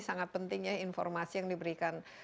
sangat pentingnya informasi yang diberikan